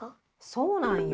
そうなんよ。